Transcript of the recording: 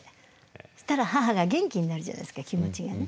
そしたら母が元気になるじゃないですか気持ちがね。